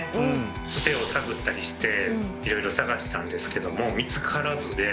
つてを探ったりして色々探したんですけども見つからずで。